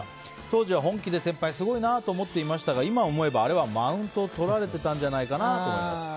当時は本気で先輩、すごいなと思っていましたが今思えば、あれはマウントをとられていたんじゃないかなと思います。